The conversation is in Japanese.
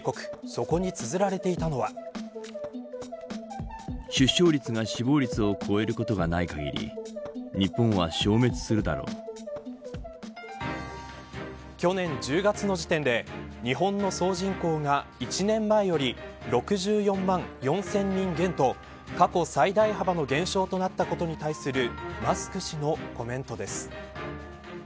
そこにつづられていたのは去年１０月の時点で日本の総人口が１年前より６４万４０００人減と過去最大幅の減少となったことに対するマスク氏のコメントです。